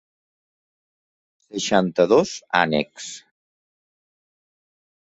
Seixanta-dos ànecs...